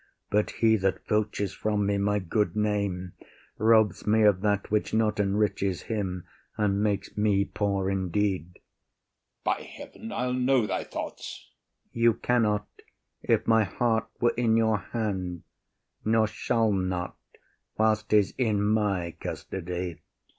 But he that filches from me my good name Robs me of that which not enriches him And makes me poor indeed. OTHELLO. By heaven, I’ll know thy thoughts. IAGO. You cannot, if my heart were in your hand, Nor shall not, whilst ’tis in my custody.